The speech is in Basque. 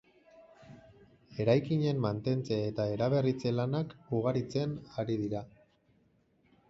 Eraikinen mantentze eta eraberritze lanak ugaritzen ari dira.